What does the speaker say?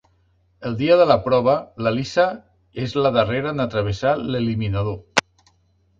El dia de la prova, la Lisa és la darrera en travessar l'Eliminador.